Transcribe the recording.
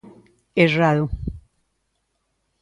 Errado.